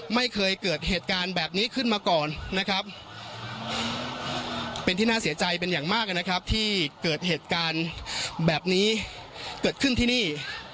ไม่เคยเกิดเหตุการณ์แบบนี้ขึ้นมาก่อนนะครับเป็นที่น่าเสียใจเป็นอย่างมากนะครับที่เกิดเหตุการณ์แบบนี้เกิดขึ้นที่นี่